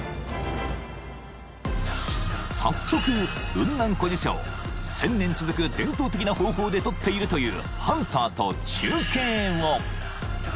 ［早速雲南古樹茶を１，０００年続く伝統的な方法でとっているというハンターと中継を］